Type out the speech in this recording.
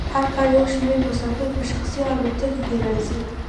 هر کال یو شمیر مسافر په شخصي الوتکو کې راځي